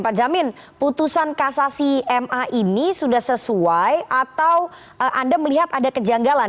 pak jamin putusan kasasi ma ini sudah sesuai atau anda melihat ada kejanggalan